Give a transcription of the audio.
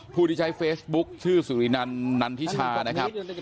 ผู้ที่ใช้เฟซบุ๊คชื่อสุรินันนันทิชานะครับ